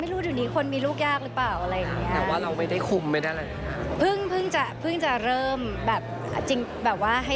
ไม่รู้ดูนี้คนมีลูกยากหรือเปล่า